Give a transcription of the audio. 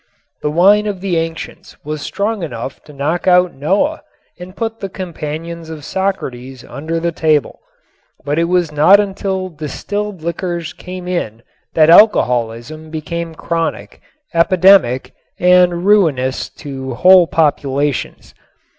The wine of the ancients was strong enough to knock out Noah and put the companions of Socrates under the table, but it was not until distilled liquors came in that alcoholism became chronic, epidemic and ruinous to whole populations.